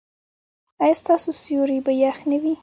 ایا ستاسو سیوري به يخ نه وي؟